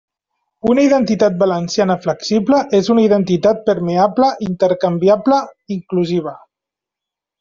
Una identitat valenciana flexible és una identitat permeable, intercanviable, inclusiva.